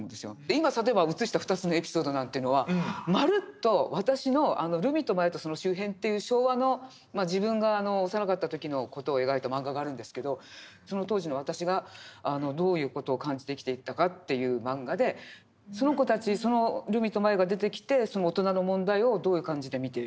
今例えば映した２つのエピソードなんていうのはまるっと私の「ルミとマヤとその周辺」という昭和の自分が幼かった時の事を描いたマンガがあるんですけどその当時の私がどういう事を感じて生きていったかというマンガでその子たちそのルミとマヤが出てきてその大人の問題をどういう感じで見ているか。